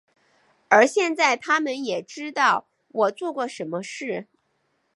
而现在他们也知道我做过什么事。